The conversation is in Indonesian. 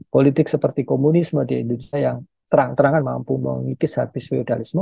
politik seperti komunisme di indonesia yang terang terangan mampu mengikis habis feudalisme